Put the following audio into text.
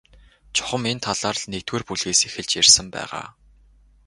Чухам энэ талаар л нэгдүгээр бүлгээс эхэлж ярьсан байгаа.